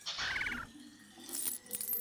viazi lishe na namna ya kuvilima